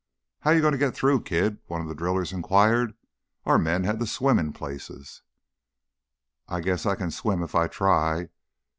"How you going to get through, kid?" one of the drillers inquired. "Our men had to swim in places." "I guess I can swim, if I try.